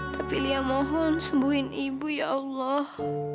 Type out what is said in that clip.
tolong sembuhin ibu ya allah